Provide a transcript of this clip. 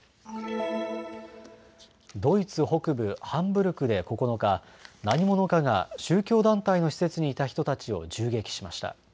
ドイツ北部ハンブルクで９日、何者かが宗教団体の施設にいた人たちを銃撃しました。